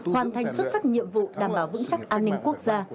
hoàn thành xuất sắc nhiệm vụ đảm bảo vững chắc an ninh quốc gia